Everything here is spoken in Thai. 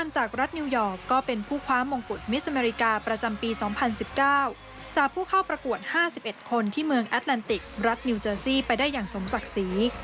จากผู้เข้าประกวด๕๑คนที่เมืองแอตแลนติกรัฐนิวเจอร์ซีไปได้อย่างสมศักดิ์สี